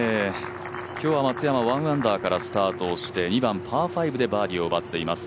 今日は松山１アンダーからスタートして２番パー５でバーディーを奪っています。